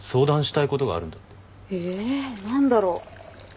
何だろう。